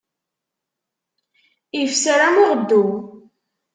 Ifser, am uɣeddu.